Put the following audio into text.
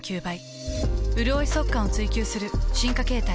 うるおい速乾を追求する進化形態。